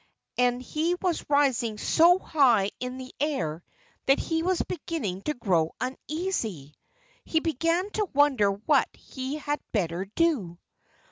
And he was rising so high in the air that he was beginning to grow uneasy. He began to wonder what he had better do.